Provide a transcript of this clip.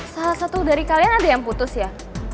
salah satu dari kalian ada yang putus ya